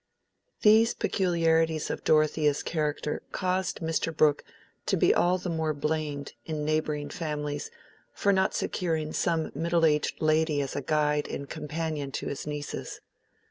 These peculiarities of Dorothea's character caused Mr. Brooke to be all the more blamed in neighboring families for not securing some middle aged lady as guide and companion to his nieces.